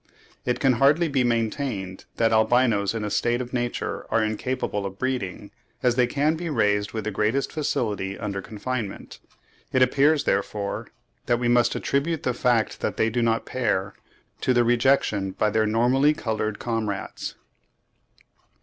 It can hardly be maintained that albinos in a state of nature are incapable of breeding, as they can be raised with the greatest facility under confinement. It appears, therefore, that we must attribute the fact that they do not pair to their rejection by their normally coloured comrades.